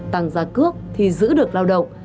tăng giá cước thì giữ được lao động